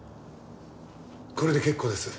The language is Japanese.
これで結構です。